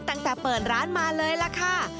ตั้งแต่เปิดร้านมาเลยล่ะค่ะ